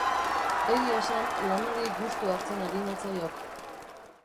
Egia esan, lanari gustua hartzen ari natzaiok.